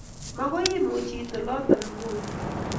Makoi imuch iit olotok nguni